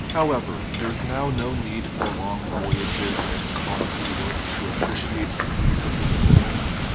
However, there is now no need for long voyages and costly works to appreciate the beauties of this world.